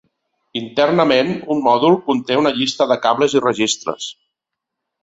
Internament un mòdul conté una llista de cables i registres.